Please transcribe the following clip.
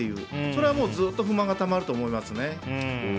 それはずっと不満がたまると思いますね。